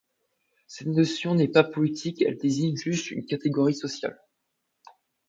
Cette notion n'est pas politique, elle désigne juste une catégorie sociale.